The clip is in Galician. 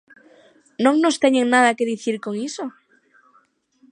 ¿Non nos teñen nada que dicir con iso?